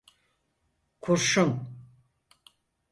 Kurşun.